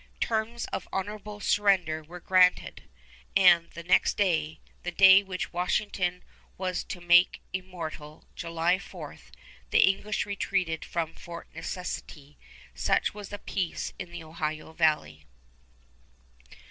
Terms of honorable surrender were granted, and the next day the day which Washington was to make immortal, July 4 the English retreated from Fort Necessity. Such was the peace in the Ohio valley.